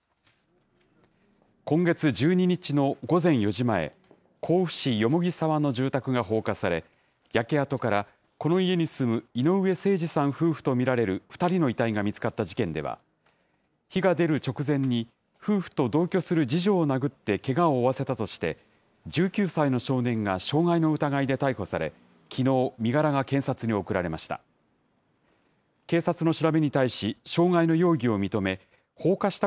今月１２日の午前４時前、甲府市蓬沢の住宅が放火され、焼け跡からこの家に住む井上盛司さん夫婦と見られる２人の遺体が見つかった事件では、火が出る直前に、夫婦と同居する次女を殴ってけがを負わせたとして、１９歳の少年が傷害の疑いで逮捕され、きのう、身柄が検察に送られました。